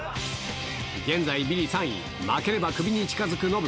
現在ビリ３位、負ければクビに近づくノブ。